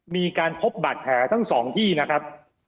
มีการพบบาดแผลทั้งสองที่นะครับ